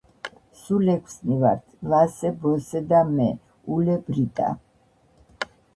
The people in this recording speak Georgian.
სულ ექვსნი ვართ: ლასე, ბოსე და მე, ულე, ბრიტა